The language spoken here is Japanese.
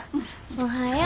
おはよう。